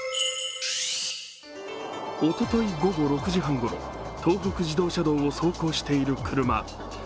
おととい午後６時半ごろ、東北自動車道を走行している車。